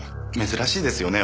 珍しいですよね